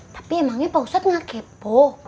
tapi emangnya pak ustadz gak kepo